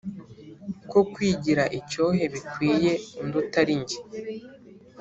Ko kwigira icyohe Bikwiye undi utari jye.